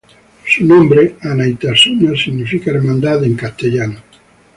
Su nombre, "Anaitasuna", significa "Hermandad" en lengua española.